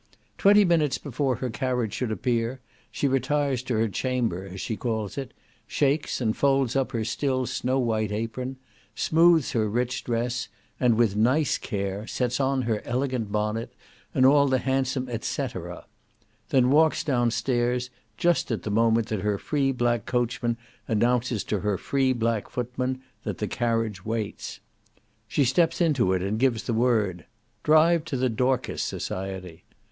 Twenty minutes before her carriage should appear, she retires to her chamber, as she calls it, shakes, and folds up her still snow white apron, smooths her rich dress, and with nice care, sets on her elegant bonnet, and all the handsome et cetera; then walks down stairs, just at the moment that her free black coachman announces to her free black footman that the carriage waits. She steps into it, and gives the word, "Drive to the Dorcas society."